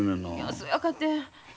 そやかて。